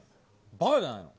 ばかじゃないの。